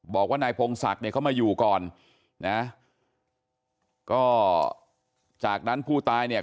บอกว่านายพงศักดิ์เนี่ยเขามาอยู่ก่อนนะก็จากนั้นผู้ตายเนี่ย